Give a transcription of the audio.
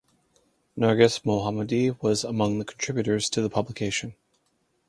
Narges Mohammadi was among the contributors to the publication.